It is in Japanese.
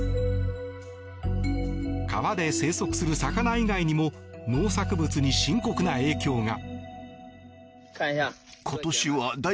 川で生息する魚以外にも農作物に深刻な影響が。